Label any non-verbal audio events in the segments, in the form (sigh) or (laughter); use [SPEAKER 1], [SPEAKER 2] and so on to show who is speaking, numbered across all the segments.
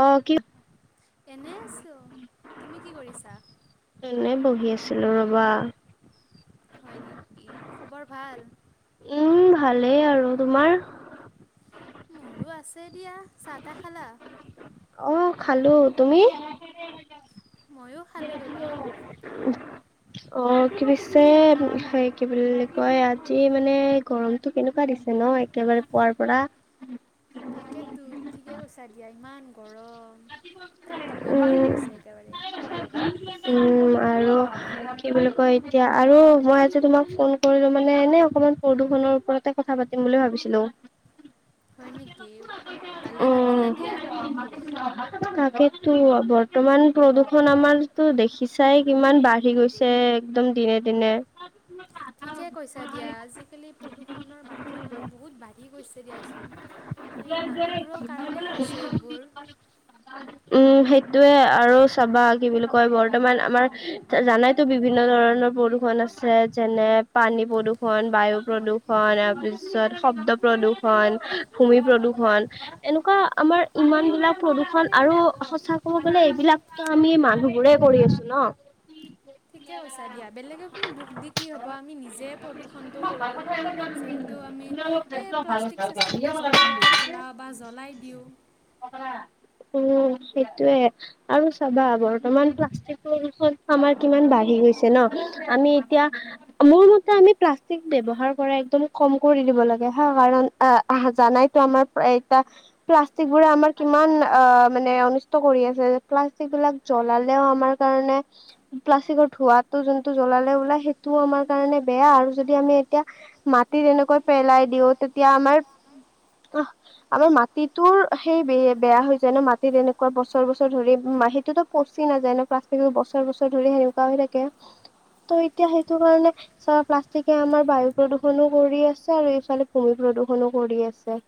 [SPEAKER 1] অ কি
[SPEAKER 2] এনে আছো। তুমি কি কৰিছা?
[SPEAKER 1] এনেই বহি আছিলো ৰবা।
[SPEAKER 2] হয় নেকি, খবৰ ভাল?
[SPEAKER 1] উম ভালেই আৰু, তোমাৰ?
[SPEAKER 2] মোৰো আছে। দিয়া চাহ তাহ খালা
[SPEAKER 1] আহ খালো, তুমি
[SPEAKER 2] ময়ো খালোঁ ৰবা।
[SPEAKER 1] অ' কি পিছে সে কি বুলি কয় আজি মানে গৰমতটো কেনেকুৱা দিছে? ন একেবাৰে পুৱাৰ পৰা
[SPEAKER 2] তাকে তো ঠিকে কৈছা দিয়া ইমান গৰম থাকিবই
[SPEAKER 1] উম
[SPEAKER 2] নোৱাৰা হৈছে একেবাৰে।
[SPEAKER 1] উম আৰু। কি বুলি কয় এতিয়া আৰু মই আজি তোমাক ফোন কৰিলো মানে এনে অকমান প্ৰদূষনৰৰ ওপৰতে কথা পাতিম বুলি ভাবিছিলো।
[SPEAKER 2] হয় নেকি? ভালে ভাবিলা
[SPEAKER 1] উম
[SPEAKER 2] দিয়া
[SPEAKER 1] তাকে। ত বৰ্তমান প্ৰদূষণ আমাৰতো দেখিছাই কিমান বাঢ়ি গৈছে একদম দিনে দিনে।
[SPEAKER 2] ঠিকে কৈছা দিয়া আজিকালি প্ৰদূষণৰ মাত্ৰা মানে বহুত বাঢ়ি গৈছে দিয়াচোন।
[SPEAKER 1] (unintelligible)
[SPEAKER 2] এই মানুহবোৰৰ কাৰণেও হৈছে এইবোৰ
[SPEAKER 1] উম সেইটোয়ে আৰু চাবা কি বুলি কয় বৰ্তমান আমাৰ জানাইটো বিভিন্ন ধৰণৰ প্ৰদূষণ আছে যেনে পানী প্ৰদূৰণ, বায়ু প্ৰদূৰষণ তাৰপিছত শব্দ প্ৰদূষণ, ভূমি প্ৰদূষণ এনেকুৱা আমাৰ ইমান বিলাক প্ৰদূষণ আৰু সঁচা ক'ব গলে এইবিলাকত আমি মানুহবোৰে কৰি আছো ন।
[SPEAKER 2] ঠিকে কৈছা দিয়া, বেলেগে কোনো দুখ দি কি হ'ব আমি নিজে প্ৰদূষনটো কৰো। যিহেতু আমি এই প্লাষ্টিক চাষ্টিকবোৰ য'তে ত'তে পেলাওঁ। বা জ্বলাই দিওঁ।
[SPEAKER 1] উম সেইটোয়ে আৰু চাবা বৰ্তমান প্লাষ্টিক প্ৰদূষণ আমাৰ কিমান বাঢ়ি গৈছে ন, আমি এতিয়া, মোৰ মতে আমি প্লাষ্টিক ব্যৱহাৰ কৰা একদম কম কৰি দিব লাগে হা কাৰণ আহ জানাইতো আমাৰ এয়া প্লাষ্টিকবোৰে আমাৰ কিমান অ মানে অনিষ্ট কৰি আছে প্লাষ্টিকবিলাক জলালেও আমাৰ কাৰণে প্লাষ্টিকৰ ধোৱাটো জলালে ওলাই সেইটোও আমাৰ কাৰণে বে বেয়া আৰু যদি আমি এতিয়া মাটিত এনেকৈ পেলাই দিও তেতিয়া আমাৰ আমাৰ মাটিটোৰ সেই ব বেয়া হৈ যায় ন মাটিত এনেকুৱা বছৰ বছৰ ধৰি সিটোতো পচি নাযায় না প্লাষ্টিকবোৰ বছৰ বছৰ ধৰি সেনেকুৱা হৈ থাকে ত' এতিয়া সেইটো কাৰণে চাবা প্লাষ্টিকে আমাৰ বায়ু প্ৰদূষণো কৰি আছে আৰু ইফালে ভূমি প্ৰদূ প্ৰদূষনো কৰি আছে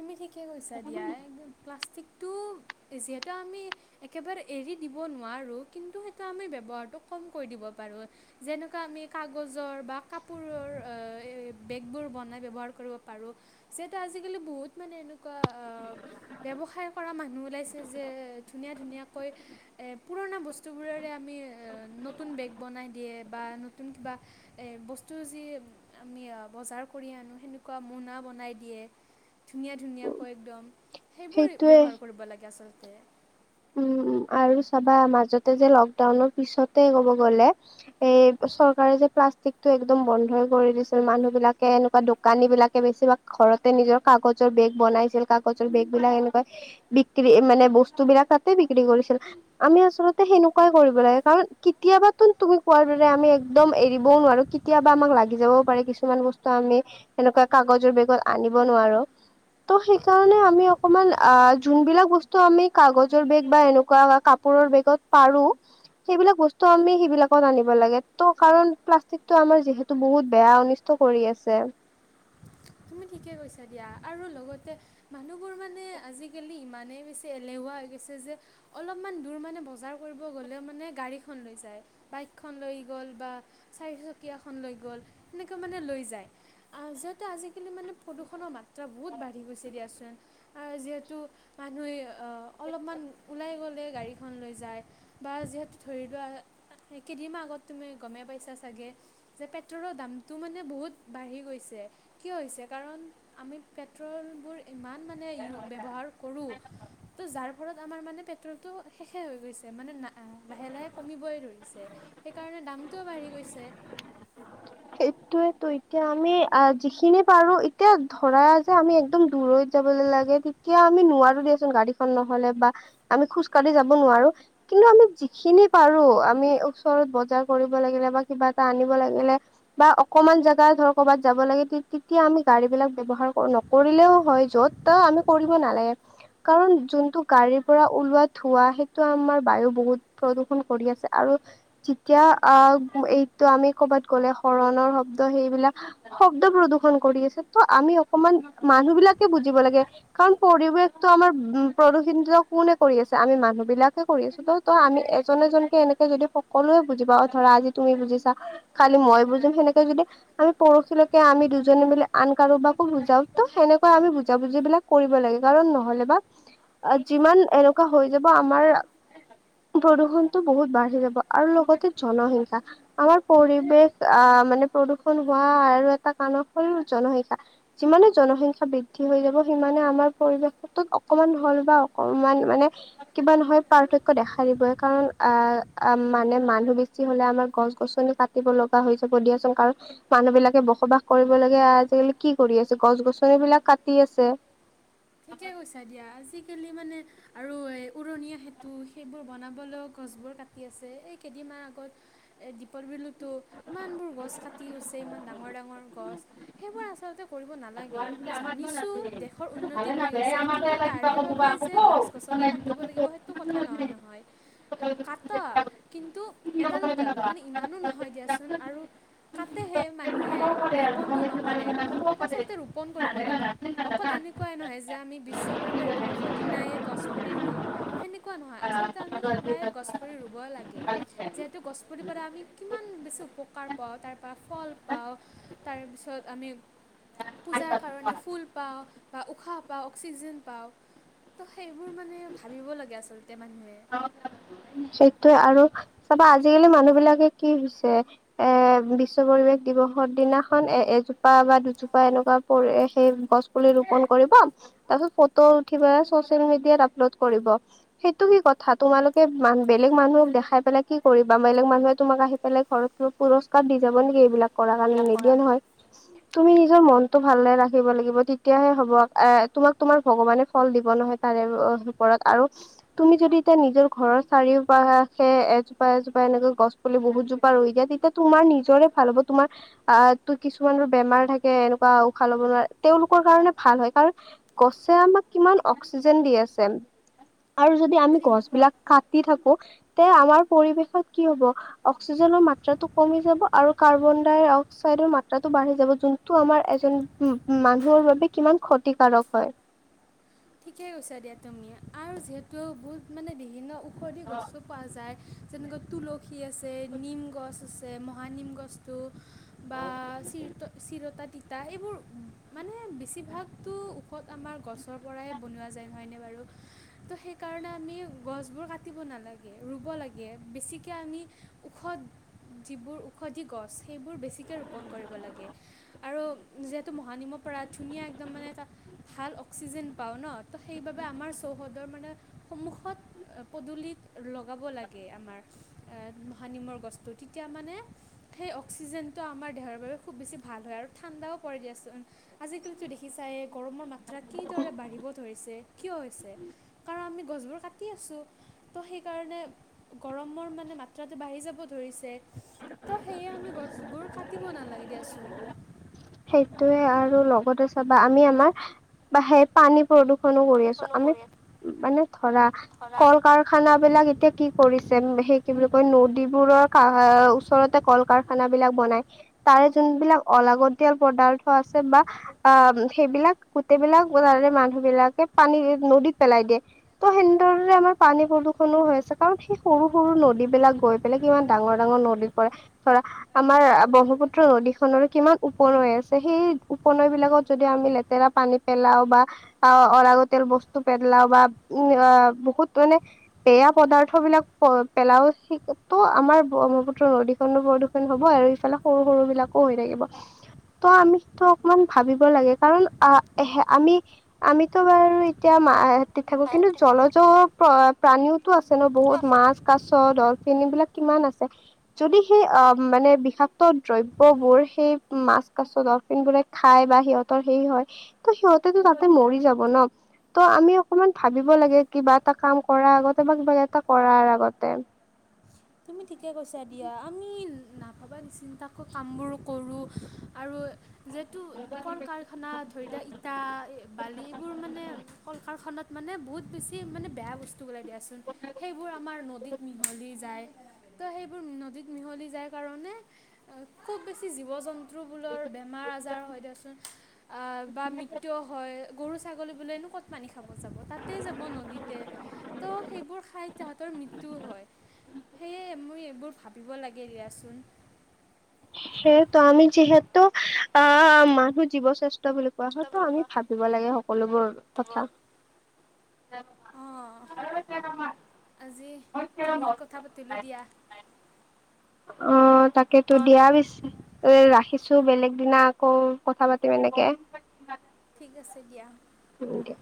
[SPEAKER 2] তুমি ঠিকে কৈছা দিয়া এইবোৰ প্লাষ্টিক
[SPEAKER 1] (inaudible)
[SPEAKER 2] যিহেতু আমি একেবাৰে এৰি দিব নোৱাৰোঁ কিন্তু সেইটো আমি ব্যৱহাৰটো কম কৰি দিব পা পাৰো যেনেকুৱা আমি কাগজৰ বা কাপোৰৰ বেগবোৰ বনাই ব্যৱহাৰ কৰিব পাৰোঁ যিহেতু আজিকালি বহুত মানে এনেকুৱা ব্যৱসায় কৰা মানুহ ওলাইছে যে ধুনীয়া ধুনীয়াকৈ পুৰণা বস্তুবোৰে আমি নতুন বেগ বনাই দিয়ে বা নতুন কিবা ব ব ম ব ধুনীয়া ধুনীয়াকৈ একদম সেইবোৰ
[SPEAKER 1] সেইটোয়ে
[SPEAKER 2] ব্যৱহাৰ কৰিব লাগে আচলতে
[SPEAKER 1] উম উ আৰু চাবা মাজতে যে লকডাউনৰ পিছতে ক'ব গ'লে এ চৰকাৰে যে প্লাষ্টিক টো একদম বন্ধই কৰি দিছিল মানুহ বিলাকে এনেকুৱা দোকানী বিলাকে বেছিভাগ ঘৰতে নিজৰ ক কাগজৰ বেগ বনাইছিল কাগজৰ বেগ বিলাক এনেকৈ বিক্ৰী মানে বস্তু বিলাক বিক্ৰী কৰিছিল আমি আচলতে সেনেকুৱাই কৰিব লাগে কাৰণ কেতিয়াবো তুমি কোৱাৰ দ আমি একদম এৰিবও নোৱাৰো কেতিয়াবা আমাক লাগি যাবও পাৰে কিছুমান বস্তু আমি সেনেকুৱা কাগজৰ বেগত আনি আনিব নোৱাৰোঁ ত সেইকাৰণে আমি অকমান আহ যোনবিলাক বস্তু আমি কাগজ জৰ বেগ বা এনেকুৱা কাপোৰৰ বেগত পাৰো সেইবিলাক বস্তু আমি সেইবিলাকত আনিব লাগে ত কাৰণ প্লাষ্টিকটো আমাৰ যিহেতু বহুত বেয়া অনিষ্ট কৰি আছে
[SPEAKER 2] তুমি ঠিকে কৈছা দিয়া আৰু লগতে মানুহবোৰ মানে আজিকালি ইমানেই বেছি এলেহুৱা হৈ গৈছে যে অলপমান‌ দূৰ মানে বজাৰ কৰিব গলেও মানে গাড়ীখন লৈ যায় বাইকখন লৈ গ গ'ল বা চাৰিচকীয়া খন লৈ গ'ল সেনেকুৱা মানে লৈ যায় আহ য'ত আচলতে আজিকালি মানে প্ৰদূষণৰ মাত্ৰা বহুত বাঢ়ি গৈছে দিয়াচোন আৰু যিহেতু মানুহে অলপমান ওলাই গ'লে গাড়ীখন লৈ যায় বা যিহেতু ধৰি লোৱা কেইদিনমান আগত তুমি গমে পাইছা চাগে যে পেট্ৰলৰ দামতটো মানে বহুত বাঢ়ি গৈছে কিয় হৈছে কাৰণ আমি পেট্ৰলবোৰ ইমান মানে ই ব্যৱহাৰ কৰোঁ তো যাৰ ফলত আমাৰ মানে পটো শেষে হৈ গৈছে মানে না লাহে লাহে কমিবই ধৰিছে সেইকাৰণে দামটোও বাঢ়ি গৈছে পিছে
[SPEAKER 1] (unintelligible) সেইটোয়ো এতিয়া আমি যিখিনি পাৰো এতিয়া ধৰা যে আমি একদম দূৰ যাবলৈ লাগে তেতিয়া আমি নোৱাৰো দিয়াচোন গাড়ীখন নহলে বা আমি খোজ কাঢ়ি যাব নোৱাৰো কিন্তু আমি যিখিনি পাৰো আমি ওচৰত বজাৰ কৰিব লাগিলে বা কিবা এটা আনিব লাগিলে বা অকনমান জেগা ধৰ ক'বাত যাব লাগে তেতিয়া আমি গাড়ী বিলাক ব্য্ৱহাৰ নকৰিলেও হয় য'ত গ ব বহুত প্ৰদূষন কৰি আছে আৰু যেতিয়া আহ এইটো আমি কৰ'বাত গ'লে শৰণৰ শব্দ সেইবিলাক শব্দ প্ৰদূষন কৰি আছে ত' আমি অকমান মানুহ বিিলাকে বুজ দিব লাগে কাৰণ পৰিৱেশটো আমাৰ উম প্ৰদূষিত কোনে কৰি আছে আমি মানুহ বিলাকে কৰি আছো ত আমি এজন এজন কেে এনেকে যদি সকলোৱে বুজি পা অ ধৰা আজি তুমি বুজিছা খালি মই বুজি সেনেকে যদি আমি পৰহিলৈকে আমি দুজনী মি আন কাৰো বাাকো বুজা ত সেনেকে আমি বুজাব যিবিলাক কৰিব লাগে কাৰণ নহলে বা যিমান এনেকুৱা হৈ যাব আমাৰ প্ৰদূষণতটো বহুত বাঢ়ি যাব আৰু লগতে জনসংখ্যা আমাৰ পৰিৱেশ আহ মানে প্ৰদূষণ হোৱা আৰু এটা কাৰণ হ'ল জনসংখ্যা যিমানে জনসংখ্যা বৃদ্ধি হৈ যাব সিমানে আমাৰ পৰিৱেশত অকমান হল বা অকমান মানে কিবা নহয় পাৰ্থক দেখা দিবে কাৰণ অ মানে মানুহ বেছি হলে আমাৰ গছ গছনি কাটিব লগা হৈছেিয়াচোন কাৰণ মানুহ বিলাকে বসবাস কৰিবলগে আজিকালি কি কৰি আছে গছ গছন বিলাক পতি আছে
[SPEAKER 2] ঠিকে কৈছা দিয়া আজিকালি মানে আৰু এই উৰণীয়া সেতু সেইবোৰ বনাবলৈও গছবোৰ কাটি আছে এই কেইদিনমমান দীপৰ বিলুতো ইমানবোৰ গছ কাটি গছে ইমান ডাঙৰ ডাঙৰ গছ উ গ স আটা কিন্তু এডাল দুডাল মানে ইমানো নহয় দিয়াচোন আৰু কাতেহে মানুহে ৰোপনটো নকৰে তাৰচলতে ৰোপন কৰিব লাগে অকলনে তেনেকুৱাই নহয় যে আমি বিশ্ব পৰিৱেশ দিৱসৰ দিনায় গছ পুলি ৰুম সেনেকুৱা নহয় আচলতে আমি সদায় গছ ৰুব লাগে যিহেতু গছপুলি পাই আমি কিমান বেছি উপকাৰ পাওঁ তাৰপৰা ফল পাওঁ তাৰপিছত আমি পূজাৰ কাৰণে ফুল পাওঁ বা উশাহ পাওঁ অক্সিজেন পাওঁ ত সেই বোৰ মানে ভাবিব লাগে আচলতে মানহ
[SPEAKER 1] অ সেইটোয়ে আৰু চাবা আজিকালি মানুহ বিলাকে কি হৈছে এ বিশ্ব পৰি পৰিৱেশ দিৱসৰ দিনাখন এ এজোপা বা দুজোপা এনেকুৱা পৰি সেই গছ পুলি ৰোপন কৰিব (unintelligible) সটো কি কথা তোমালোকে বেলেগ মানুহক দেখাই পেলাই কি কৰিব বা বেলেগ মানুহে তোমাক আহি পেলাই ঘৰত পুৰস্কাৰ দি যাব নেকি এইবিলাক কৰাৰ কাৰণে নিদিয়ে নহয় তুমি নিজৰ মনতটো ভালে ৰাখিব লাগিব তেতিয়াহে হব এ তোমাক তোমাৰ ভগৱানে ফল দিব নহয় ত ওপৰত আৰু তুমি যদি এতিয়া নিজৰ ঘৰৰ চাৰিওপাশে এজোপা এজোপা এনেকৈ গছ পুলি বহুতজোপা ৰৈ যায় তেতিয়া তোমাৰ নিজৰে ভাল হ'ব তোমাৰ আহ ত কিছুমান বেমাৰ থাকে এনেকুৱা উশাহ লব নোৱা তেওঁলোকৰ কাৰণে ভাল হয় কাৰণ গছে আমাক কিমান অক্সিজেন দি আছে আৰু যদি আমি
[SPEAKER 2] ঠিক
[SPEAKER 1] গছ বিলাক কাটি থাকো তে আমাৰ পৰিবেশত কি হব অক্সিজেনৰ মাত্ৰাটো কমি যাব আৰু কাৰ্বন ডাই অক্সাইডৰ মাত্ৰাটো বাঢ়ি যাব যোনটো আমাৰ এজন মানুহ বাবে কিমান ক্ষতিকাৰক হয়
[SPEAKER 2] ঠিকেই কৈছা দিয়া তুমি আৰু যিহেতু বহুত মানে বিভিন্ন ঔষধি গছো পোৱা যায় যেনেকৈ তুলসী আছে নিম গছ আছে মহানিম গছটো বা চিৰতা তাৰ এইবোৰ মানে বেছিভাগতো ওপৰত আমাৰ গছৰ পৰাই (unintelligible) আমি ঔষধ যিবোৰ ঔষধি গছ সেইবোৰ বেছিকৈ ৰোপণ কৰিব লাগে আৰু যিহেতু মহানিমত পৰা ধুনীয়া একদম মানে এটা ভাল অক্সিজেন পাওঁ ন তো সেইবাবে আমাৰ চৌহদৰ মানে সন্মুখত পদূলিত লগাব লাগে আমাৰ হানিমৰ গছটো তেতিয়া মানে সেই অক্সিজেনটো আমাৰ দেহৰ বাবে খুব বেছি ভাল হয় ঠাণ্ডাও পৰে দিয়াচোন আজিকালিতো দেখিছাই গৰমৰ মাত্ৰা কিদৰে বঢ় আ গ ক গ গৰমৰ মানে মাত্ৰাটো বাঢ়ি যাব ধৰিছে তো সেয়ে আমি গছবোৰ কাটিব নালাগে দিয়াচোন
[SPEAKER 1] সেইটোয়ে আৰু লগতে চাবা আমি আমাৰাহে পানী প্ৰদূষণ কৰি আছো আমি মানে ধৰা কল কাৰখানা বিলাক এতিয়া কি কৰিছে সেই কি বুলি কয় নদীবোৰৰ ওচৰতে কল কাৰখানা বিলাক বনাই তাৰে যোন সিবিলাক অলাগত পদাৰ্থ আছে বা অ', সেইবিলাক গোটেইবিলাক মানুহবিলাকে পানী নদীত পেলাই দিয়ে, ত' সেনেদৰে আমাৰ পানী প্ৰদূষণো হৈ আছে, কাৰণ সেই সৰু সৰু নদীবিলাক। গৈ পেলাই কিমান ডাঙৰ ডাঙৰ নদীত পৰে ধৰা, আমাৰ ব্ৰহ্মপুত্ৰ নদীখনৰ কিমান! উপনৈ আছে। সেই উপনৈবিলাকত যদি আমি লেতেৰা পানী পেলাওঁ বা অলগতিয়াল বস্তু পেলাওঁ বা উ, বহুত মানে বেয়া পদাৰ্থবিলাক পেলাওঁ। সেটো আমাৰ ব্ৰহ্মপুত্ৰ নদীখনো প্ৰদূষণ হ'ব আৰু ইফালে সৰু সৰু বিলাকো হৈ থাকিব। (inaudible) ত আমি সেইটো অকমান ভাবিব লাগে, কাৰণ আহ, আমি আমিতো বাৰু এতিয়া মা কিন্তু জলজো প্ৰাণীওতো আছে ন, বহুত মাছ-কাছ। ডলফিন এইবিলাক কিমান আছে, যদি সেই, অ' মানে, বিষাক্ত দ্ৰব্যবোৰ সেই মাছ, কাছ, ডলফিনবোৰে খাই বা সিহঁতৰ সেই হয়, ত' সিহঁতেতো তাতেই মৰি যাব, ন? ত' আমি অকমান ভাবিব লাগে, কিবা এটা কাম কৰাৰ আগতে বা কিবা এটা কৰাৰ আগতে।
[SPEAKER 2] তুমি ঠিকে কৈছা, দিয়া, আমি নাভাবা নিচিন্তাকৈ কামবোৰ কৰোঁ আৰু। যিহেতু কল-কাৰখানা ধৰি দিয়া, ইটা, বালি এইবোৰ মানে কল-কাৰখানাত মানে, বহুত বেছি মানে বেয়া বস্তু ওলাই দিয়াচোন, সেইবোৰ আমাৰ নদীত মিহলি যায়। ত' সেইবোৰ নদীত মিহলি যায়, কাৰণে খুব বেছি জীৱ-জন্তু বেমাৰ-আজাৰ হৈ দিয়াচোন বা মৃত্যুও হয়, গৰু ছা ছাগলীবোৰেনো ক'ত পানী খাব যাব? তাতে যাব নদীতে, ত' সেইবোৰ খাই তাহঁতৰ মৃত্যুও হয়। সেয়ে মই এইবোৰ ভাবিব লাগে, দিয়াচোন।
[SPEAKER 1] সেয়েতো আমি, যিহেতু, আহ, মানুহ জীৱশ্ৰেষ্ঠ। বুলি কোৱা হয়তো আমি ভাবিব লাগে সকলোবোৰ কথা। (inaudible)
[SPEAKER 2] অঁ আজি বহুত কথা পাতিলো দিয়া।
[SPEAKER 1] অ', তাকেতো দিয়া, পিছে ৰাখিছোঁ বেলেগ দিনা আকৌ কথা পাতিম এনেকে।
[SPEAKER 2] ঠিক আছে, দিয়া
[SPEAKER 1] উম,
[SPEAKER 2] ৰাখা।
[SPEAKER 1] দিয়া।